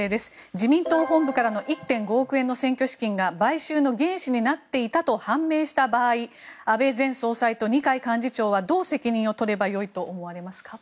自民党本部からの１．５億円の選挙資金が買収の原資になっていたと判明した場合安倍前総裁と二階幹事長はどのように責任を取ればいいと思いますか？